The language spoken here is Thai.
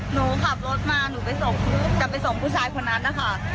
หนูขับรถมาหนูไปส่งจะไปส่งผู้ชายคนนั้นนะคะ